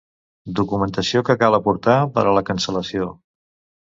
Documentació que cal aportar per a la cancel·lació.